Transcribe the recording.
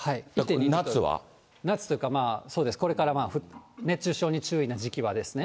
夏というか、これから熱中症に注意な時期はですね。